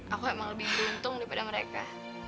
aku emang lebih beruntung daripada mereka